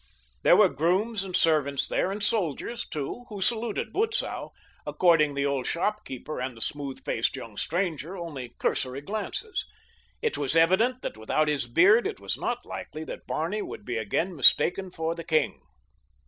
There were grooms and servants there, and soldiers too, who saluted Butzow, according the old shopkeeper and the smooth faced young stranger only cursory glances. It was evident that without his beard it was not likely that Barney would be again mistaken for the king.